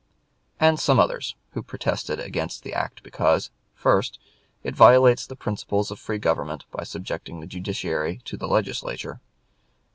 ] and some others, who protested against the act because 1st. It violates the principles of free government by subjecting the Judiciary to the Legislature.